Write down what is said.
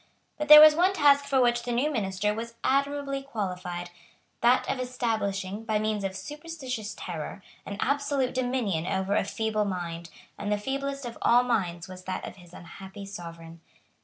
But there was one task for which the new minister was admirably qualified, that of establishing, by means of superstitious terror, an absolute dominion over a feeble mind; and the feeblest of all minds was that of his unhappy sovereign.